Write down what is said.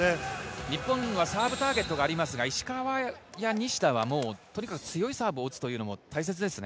日本はサーブターゲットがありますが石川や西田は、とにかく強いサーブを打つというのも大切ですね。